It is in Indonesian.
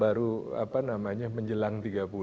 baru apa namanya menjelang tiga puluh